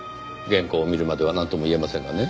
原稿を見るまではなんとも言えませんがね。